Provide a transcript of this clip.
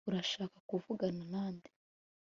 urashaka kuvugana na nde